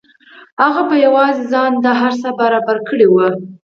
هغه په یوازې ځان دا هر څه برابر کړي وو